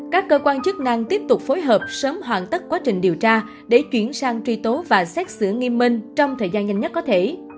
các cơ quan chức năng tiếp tục phối hợp sớm hoàn tất quá trình điều tra để chuyển sang truy tố và xét xử nghiêm minh trong thời gian nhanh nhất có thể